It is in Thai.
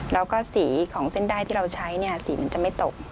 แล้วก็สีของเส้นได้ที่เราใช้เนี่ยสีมันจะไม่ตก